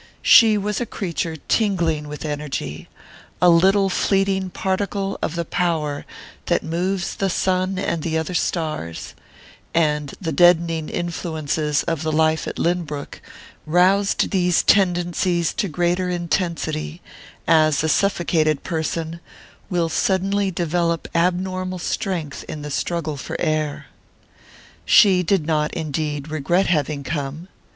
She was a creature tingling with energy, a little fleeting particle of the power that moves the sun and the other stars, and the deadening influences of the life at Lynbrook roused these tendencies to greater intensity, as a suffocated person will suddenly develop abnormal strength in the struggle for air. She did not, indeed, regret having come.